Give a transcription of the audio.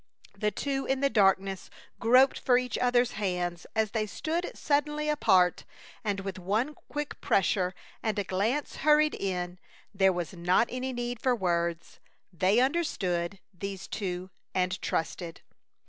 The two in the darkness groped for each other's hands as they stood suddenly apart, and with one quick pressure and a glance hurried in. There was not any need for words. They understood, these two, and trusted.